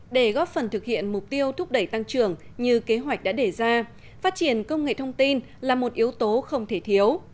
để góp phần thực hiện mục tiêu thúc đẩy tăng trưởng như kế hoạch đã đề ra phát triển công nghệ thông tin là một yếu tố không thể thiếu